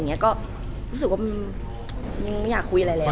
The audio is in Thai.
เหมือนนางก็เริ่มรู้แล้วเหมือนนางก็เริ่มรู้แล้ว